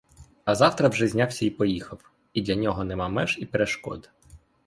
А завтра вже знявся й поїхав, і для нього нема меж і перешкод.